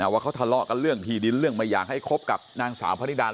ว่าเขาทะเลาะกันเรื่องที่ดินเรื่องไม่อยากให้คบกับนางสาวพนิดา